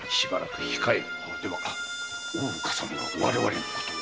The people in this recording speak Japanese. では大岡様が我々のことを？